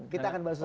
kita akan bahas itu